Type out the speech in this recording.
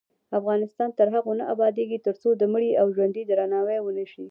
افغانستان تر هغو نه ابادیږي، ترڅو د مړي او ژوندي درناوی ونشي.